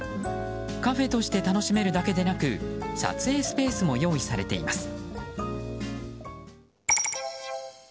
カフェとして楽しめるだけでなく撮影スペースも用意されています。